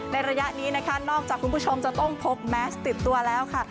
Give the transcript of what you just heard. ระยะนี้นะคะนอกจากคุณผู้ชมจะต้องพกแมสติดตัวแล้วค่ะ